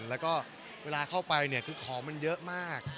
และก็เวลาเข้าไปคือของมันเยอะมาก